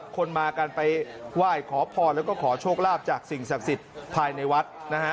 คนมากันไปไหว้ขอพรแล้วก็ขอโชคลาภจากสิ่งศักดิ์สิทธิ์ภายในวัดนะฮะ